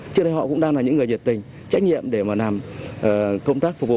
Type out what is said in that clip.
trước đây họ cũng đang là những người nhiệt tình trách nhiệm để mà làm công tác